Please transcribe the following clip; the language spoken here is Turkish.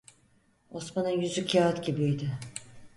Osman'ın yüzü kağıt gibiydi.